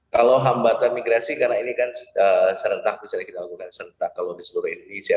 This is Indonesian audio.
kalau hambatan migrasi karena ini kan serentak misalnya kita lakukan serentak kalau di seluruh indonesia